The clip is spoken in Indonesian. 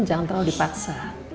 jangan terlalu dipaksa